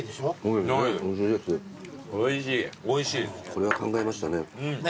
これは考えましたね。